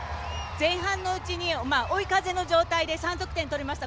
前半のうちに追い風の状態で３得点取りました。